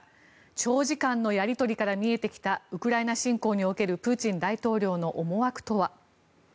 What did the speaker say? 長時間のやり取りから見えてきたウクライナ侵攻におけるプーチン大統領の思惑とは？